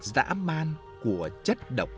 giã man của chất độc